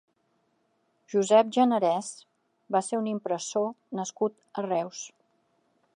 Josep Generès va ser un impressor nascut a Reus.